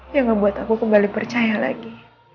yang membuat aku kembali percaya lagi